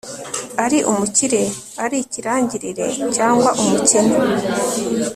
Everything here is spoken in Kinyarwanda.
ari umukire, ari ikirangirire cyangwa umukene